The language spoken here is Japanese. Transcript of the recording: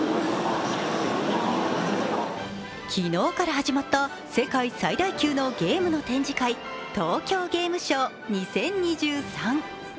昨日から始まった世界最大級のゲームの展示会、東京ゲームショウ２０２３。